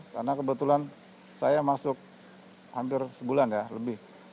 karena kebetulan saya masuk hampir sebulan ya lebih